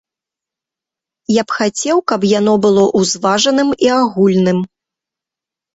Я б хацеў, каб яно было узважаным і агульным.